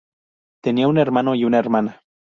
Tenía un hermano y una hermana.